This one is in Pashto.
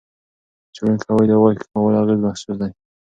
څېړونکي وايي، د غوښې کمولو اغېز محسوس دی.